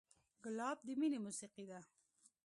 ګلاب د مینې موسیقي ده.